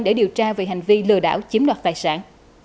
để điều tra về hành vi lừa đảo chiếm đoạt tài sản